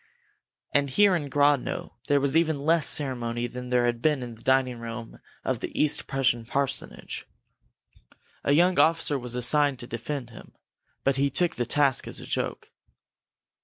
And here in Grodno there was even less ceremony than there had been in the dining room of the East Prussian parsonage. A young officer was assigned to defend him, but he took the task as a joke.